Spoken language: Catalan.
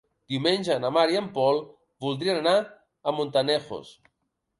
Diumenge na Mar i en Pol voldrien anar a Montanejos.